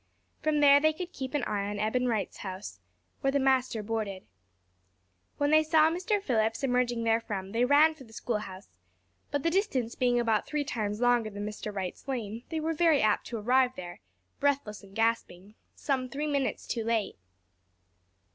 From there they could keep an eye on Eben Wright's house, where the master boarded. When they saw Mr. Phillips emerging therefrom they ran for the schoolhouse; but the distance being about three times longer than Mr. Wright's lane they were very apt to arrive there, breathless and gasping, some three minutes too late.